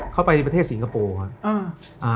เขาไปประเทศสิงคโปร์ค่ะ